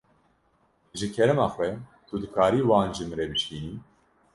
Ji kerema xwe tu dikarî wan ji min re bişînî.